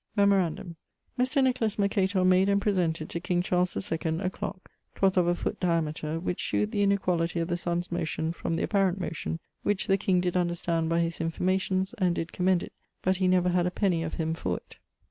Memorandum: Mr. Nicholas Mercator made and presented to King Charles the 2ᵈ a clock ('twas of a foote diameter) which shewed the inequality of the sunn's motion from the apparent motion, which the king did understand by his informations, and did commend it, but he never had a penny of him for it.